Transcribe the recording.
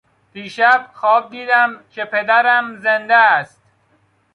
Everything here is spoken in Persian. دیشب خواب دیدم که پدرم زنده است.